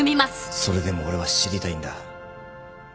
それでも俺は知りたいんだ。